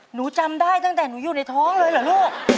หนูจำได้ตั้งแต่หนูอยู่ในท้องเลยเหรอลูก